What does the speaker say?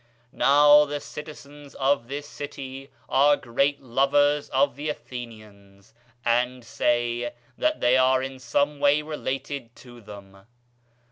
Now, the citizens of this city are great lovers of the Athenians, and say that they are in some way related to them.